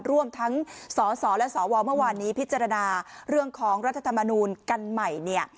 ร่วมทั้งสสและสวเมื่อวานนี้พิจารณาเรื่องของรัฐธรรมนูลกันใหม่เนี่ย